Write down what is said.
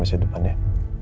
jadi kita pilih orang lain